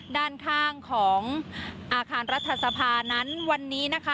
ด้านข้างของอาคารรัฐสภานั้นวันนี้นะคะ